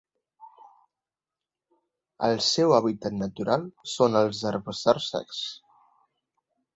El seu hàbitat natural són els herbassars secs.